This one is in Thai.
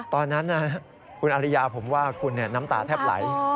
ตอนนั้นคุณอริยาผมว่าคุณน้ำตาแทบไหล